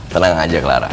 tenang aja clara